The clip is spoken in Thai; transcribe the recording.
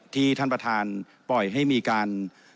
ที่ท่านประธานปล่อยให้มีการ